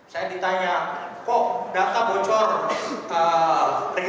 saya ditanya kok data bocor